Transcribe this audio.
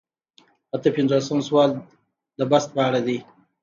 اته پنځوسم سوال د بست په اړه دی.